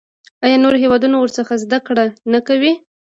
آیا نور هیوادونه ورڅخه زده کړه نه کوي؟